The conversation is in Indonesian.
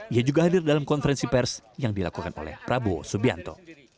ia juga hadir dalam konferensi pers yang dilakukan oleh prabowo subianto